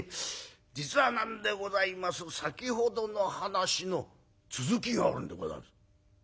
実はなんでございます先ほどの話の続きがあるんでございます」。